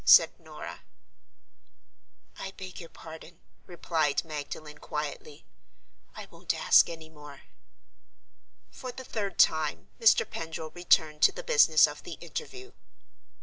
said Norah. "I beg your pardon," replied Magdalen, quietly; "I won't ask any more." For the third time, Mr. Pendril returned to the business of the interview.